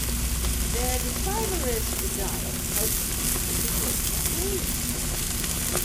Their detrivorous diet helps keep the water clean.